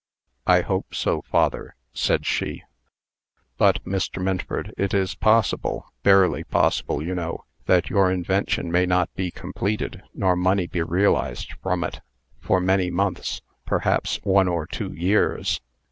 "I hope so, father," said she. "But, Mr. Minford, it is possible barely possible, you know that your invention may not be completed, nor money be realized from it, for many months; perhaps one or two years.